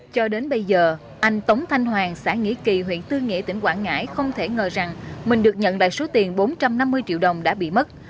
cho đến bây giờ anh tống thanh hoàng xã nghĩa kỳ huyện tư nghĩa tỉnh quảng ngãi không thể ngờ rằng mình được nhận lại số tiền bốn trăm năm mươi triệu đồng đã bị mất